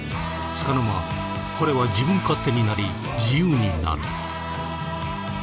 つかの間彼は自分勝手になり自由になる。